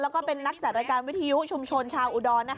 แล้วก็เป็นนักจัดรายการวิทยุชุมชนชาวอุดร